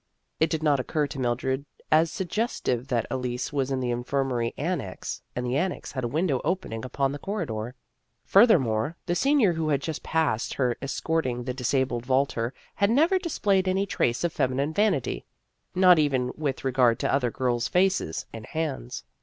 It did not occur to Mildred as suggestive that Elise was in the infirmary annex, and the annex had a window opening upon the corridor. Furthermore, the senior who had just passed her escorting the disabled vaulter had never displayed any trace of feminine vanity not even with regard to other girls' faces and hands.